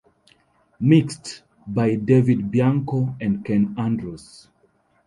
Mixed by David Bianco and Ken Andrews.